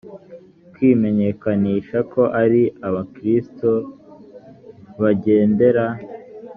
kwimenyekanisha ko ari abakristo bagendera